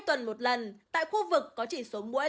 tuần một lần tại khu vực có chỉ số mũi